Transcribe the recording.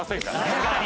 確かに。